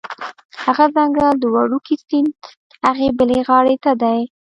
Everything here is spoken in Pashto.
هغه ځنګل د وړوکي سیند هغې بلې غاړې ته دی